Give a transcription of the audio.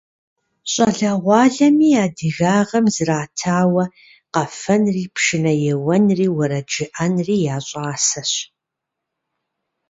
ЩӀалэгъуалэми адыгагъэм зратауэ къэфэнри, пшынэ еуэнри, уэрэд жыӀэнри я щӀасэщ.